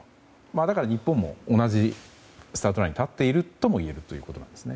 だから、日本も同じスタートラインに立っているともいえるということなんですね。